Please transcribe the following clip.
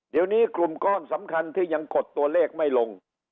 เดี๋ยวนี้กลุ่มก้อนสำคัญที่ยังกดตัวเลขไม่ลง